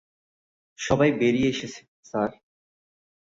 সবাই বেরিয়ে এসেছে, স্যার।